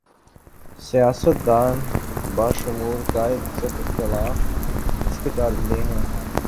سیاست دان بشمول قائد حزب اختلاف اس کے کارندے ہیں۔